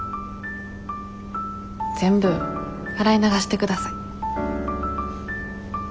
全部洗い流して下さい。